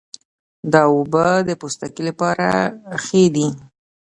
دا اوبه د پوستکي لپاره ښې دي.